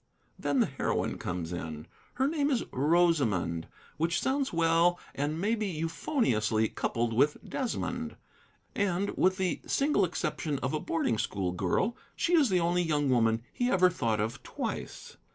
Then the heroine comes in. Her name is Rosamond, which sounds well and may be euphoniously coupled with Desmond; and, with the single exception of a boarding school girl, she is the only young woman he ever thought of twice.